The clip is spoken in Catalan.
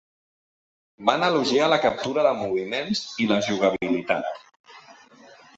Van elogiar la captura de moviments i la jugabilitat.